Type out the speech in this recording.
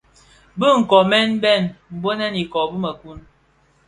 Bë nkoomèn bèn nbonèn iko bi mëku.